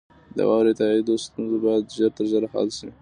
د واورئ تائیدو ستونزه باید ژر تر ژره حل شي.